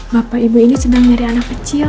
bapak ibu ini sedang nyari anak kecil